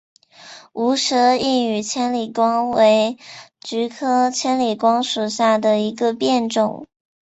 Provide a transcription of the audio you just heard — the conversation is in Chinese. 无舌异羽千里光为菊科千里光属下的一个变种。